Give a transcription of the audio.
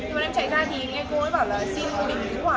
khi mà em chạy ra thì nghe cô ấy bảo là xin một bình cứu hỏa